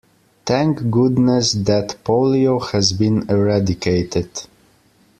Thank goodness that polio has been eradicated.